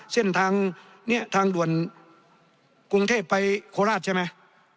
เส้นทางด่วนกรุงเทพฯไปโคราชใช่ไหม